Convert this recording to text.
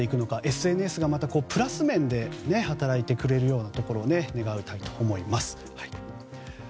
ＳＮＳがまたプラス面で働いてくれるようなところを願いたいと思います。